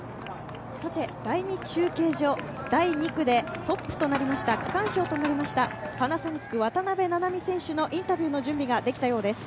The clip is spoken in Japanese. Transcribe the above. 第２中継所、第２区でトップ、区間賞となりましたパナソニック・渡邊菜々美選手のインタビューの準備ができたようです。